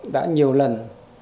đã nhiều lần